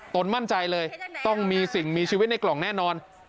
ตนมั่นใจเลยต้องมีสิ่งมีชีวิตในกล่องแน่นอน